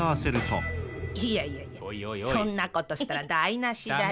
いやいやいやそんなことしたら台なしだよ。